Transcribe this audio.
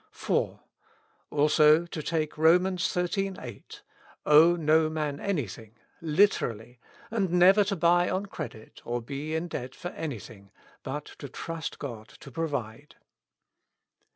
4. Also to take Rom. xiii. 8, "Owe no man any thing," literally, and never to buy on credit, or be in debt for anjrthing, but to trust God to provide.